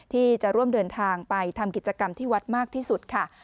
ที่จะร่วมเดินทางไปทำกิจกรรมที่วัดมากที่สุดค่ะ